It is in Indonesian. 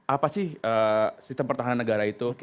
apa sih sistem pertahanan negara itu